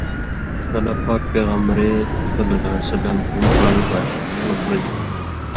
ݜلہ پاک پېغمبرے ﷺ ہُم بال بانیۡ (خُطبہ دِتیۡ)